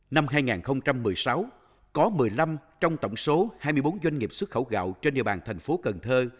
năm hai nghìn một mươi sáu có một mươi năm trong tổng số hai mươi bốn doanh nghiệp xuất khẩu gạo trên địa bàn thành phố cần thơ